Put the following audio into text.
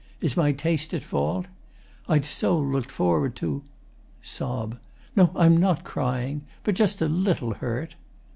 Is my taste at fault? I'd so look'd forward to [Sob.] No, I'm not crying, But just a little hurt.